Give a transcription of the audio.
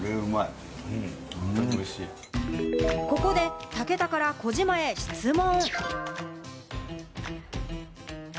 ここで武田から児嶋へ質問。